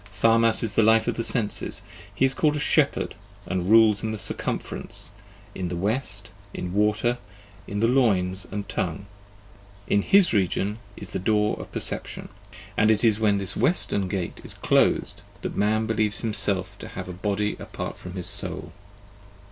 Tharmas is the life of the Senses ; he is called a Shepherd and rules in the Circumference, in the West, in Water, in the Loins and Tongue: in his region is the door of perception, and it is when this Western gate is closed that man believes him self to have a body apart from his soul.